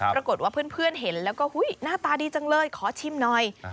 ปรากฏว่าเพื่อนเห็นแล้วก็หน้าตาดีจังเลยขอชิมหน่อย